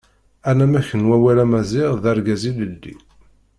Anamek n wawal Amaziɣ d Argaz ilelli.